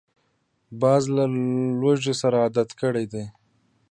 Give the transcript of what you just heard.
باز له لوږې سره عادت کړی دی